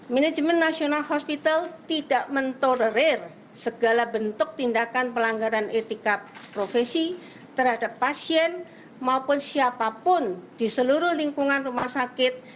manajemen nasional hospital tidak mentolerir segala bentuk tindakan pelanggaran etika profesi terhadap pasien maupun siapapun di seluruh lingkungan rumah sakit